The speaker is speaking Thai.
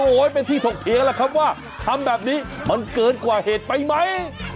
โอ้โหเป็นที่ถกเถียงล่ะครับว่าทำแบบนี้มันเกินกว่าเหตุไปไหม